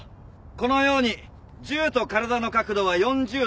このように銃と体の角度は４０度が基本。